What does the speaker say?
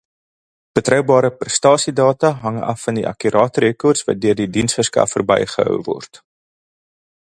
Betroubare prestasiedata hang af van akkurate rekords wat deur die diensverskaffer bygehou word.